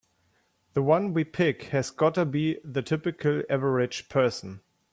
The one we pick has gotta be the typical average person.